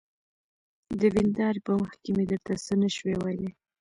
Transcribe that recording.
د ويندارې په مخکې مې درته څه نشوى ويلى.